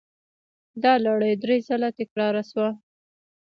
دا لړۍ درې ځله تکرار شوه.